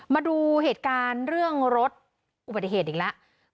มาดูเหตุการณ์เรื่องรถอุบัติเหตุอีกแล้ว